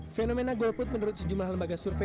fenomena golput menurut sejumlah lembaga survei